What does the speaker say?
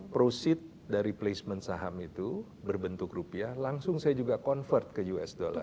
proceed dari placement saham itu berbentuk rupiah langsung saya juga convert ke us dollar